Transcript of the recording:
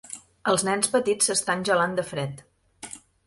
Els nens petits s'estan gelant de fred.